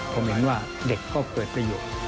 ผมเห็นว่าเด็กก็เกิดประโยชน์